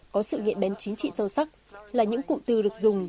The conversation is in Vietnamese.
có sự nghiện bén chính trị sâu sắc là những cụm từ được dùng